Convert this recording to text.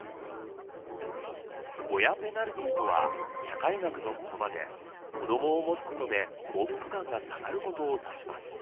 「親ペナルティー」とは社会学の言葉で子どもを持つことで幸福感が下がることを指します。